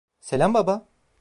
Selam baba.